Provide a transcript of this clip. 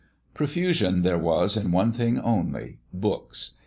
Profusion there was in one thing only books.